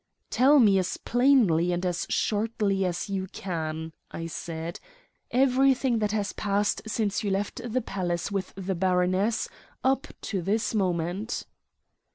"Tell me as plainly and as shortly as you can," I said, "everything that has passed since you left the palace with the baroness up to this moment."